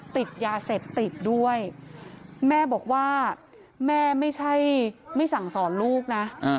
ติดยาเสพติดด้วยแม่บอกว่าแม่ไม่ใช่ไม่สั่งสอนลูกนะ